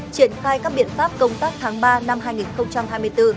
triển khai các biện pháp công tác tháng ba năm hai nghìn hai mươi bốn